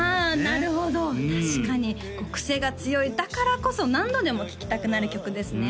なるほど確かにこう癖が強いだからこそ何度でも聴きたくなる曲ですね